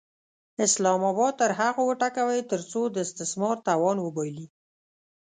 اسلام اباد تر هغو وټکوئ ترڅو د استثمار توان وبایلي.